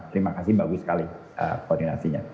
terima kasih bagus sekali koordinasinya